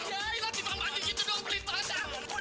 ayolah di bawah anjing itu dong pelitoh aja